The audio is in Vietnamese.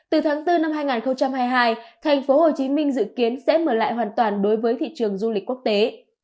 từ tháng bốn năm hai nghìn hai mươi hai thành phố hồ chí minh dự kiến sẽ mở lại hoàn toàn đối với thị trường du lịch quốc tế